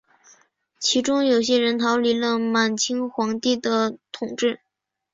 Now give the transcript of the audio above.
其中有些人逃离了满清皇帝的统治。